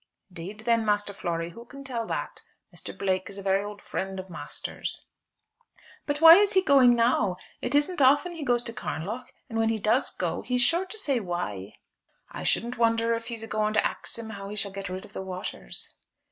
"'Deed, then, Master Flory, who can tell that? Mr. Blake is a very old friend of master's." "But why is he going now? It isn't often he goes to Carnlough; and when he does go, he is sure to say why." "I shouldn't wonder af he's going to ax him as to how he shall get rid of the waters."